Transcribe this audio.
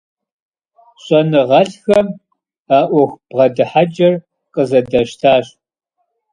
ЩӀэныгъэлӀхэм а Ӏуэху бгъэдыхьэкӀэр къызэдащтащ.